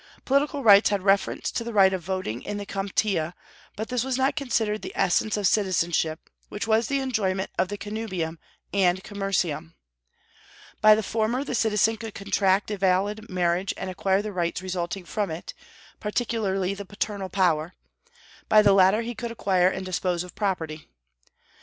Political rights had reference to the right of voting in the comitia; but this was not considered the essence of citizenship, which was the enjoyment of the connubium, and commercium. By the former the citizen could contract a valid marriage and acquire the rights resulting from it, particularly the paternal power; by the latter he could acquire and dispose of property.